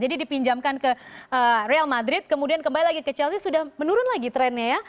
jadi dipinjamkan ke real madrid kemudian kembali lagi ke chelsea sudah menurun lagi trennya ya